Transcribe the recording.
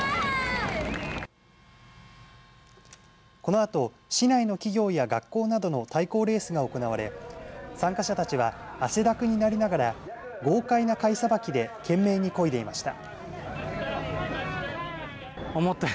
このあと市内の企業や学校などの対抗レースが行われ参加者たちは汗だくになりながら豪快なかいさばきで懸命にこいでいました。